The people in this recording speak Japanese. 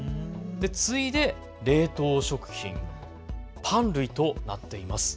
次いで冷凍食品、パン類となっています。